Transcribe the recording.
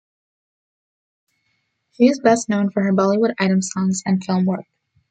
She is best known for her Bollywood Item Songs and film work.